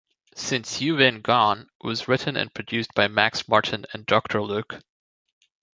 "Since U Been Gone" was written and produced by Max Martin and Doctor Luke.